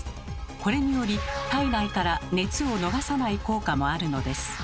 これにより体内から熱を逃がさない効果もあるのです。